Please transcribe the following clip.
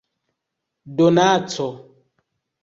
donaco